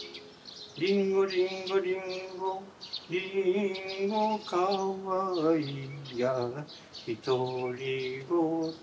りんごりんごりんごりんご可愛やひとりごと